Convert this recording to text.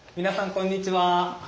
こんにちは。